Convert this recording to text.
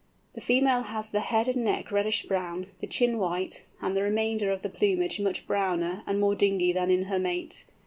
The female has the head and neck reddish brown, the chin white, and the remainder of the plumage much browner and more dingy than in her mate.